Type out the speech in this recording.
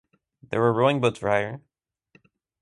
There were rowing boats for hire.